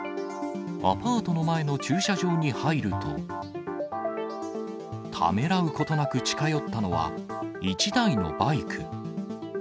アパートの前の駐車場に入ると、ためらうことなく近寄ったのは、１台のバイク。